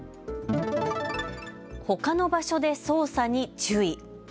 ほかの場所で操作に注意。